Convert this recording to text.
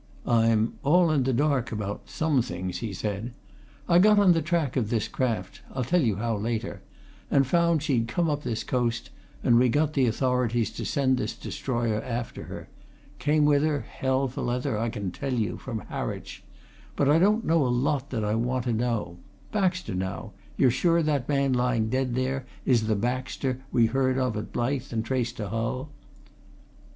"I'm all in the dark about some things," he said. "I got on the track of this craft I'll tell you how, later and found she'd come up this coast, and we got the authorities to send this destroyer after her I came with her, hell for leather, I can tell you, from Harwich. But I don't know a lot that I want to know, Baxter, now you're sure that man lying dead there is the Baxter we heard of at Blyth and traced to Hull?"